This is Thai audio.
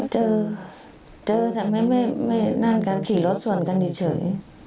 เจอแต่ไม่นั่นกันผีลดส่วนกันเฉย